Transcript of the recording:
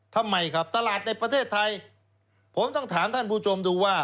ทำไมครับตลาดในประเทศไทยผมต้องถามท่านผู้ชมดูว่า